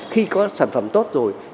khi có sản phẩm tốt rồi